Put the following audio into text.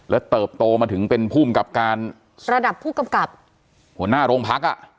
แล้วเติบโตมาถึงเป็นภูมิกับการระดับผู้กำกับหัวหน้าโรงพักอ่ะ